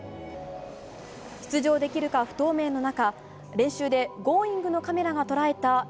出場できるか不透明の中、練習で「Ｇｏｉｎｇ！」のカメラが捉えた